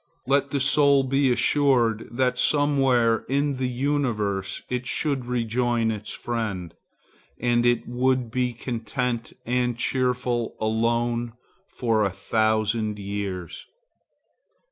Let the soul be assured that somewhere in the universe it should rejoin its friend, and it would be content and cheerful alone for a thousand years.